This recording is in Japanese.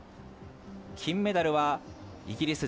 金メダルはイギリス。